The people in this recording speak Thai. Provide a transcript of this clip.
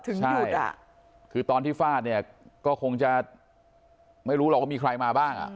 หยุดอ่ะคือตอนที่ฟาดเนี่ยก็คงจะไม่รู้หรอกว่ามีใครมาบ้างอ่ะ